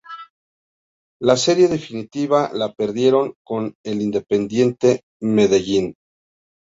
La serie definitiva la perdieron con el Independiente Medellín.